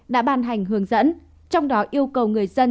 đã ban hành hướng dẫn trong đó yêu cầu người dân